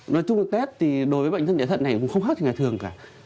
nói chung là tết thì đối với bệnh thân chạy thận này cũng không khác như ngày thường cả